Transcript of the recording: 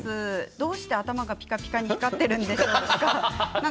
どうして頭がピカピカに光っているんでしょうか？